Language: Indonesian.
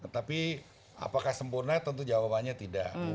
tapi apakah sempurna tentu jawabannya tidak